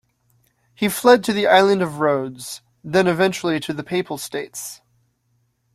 He fled to the island of Rhodes, then eventually to the Papal States.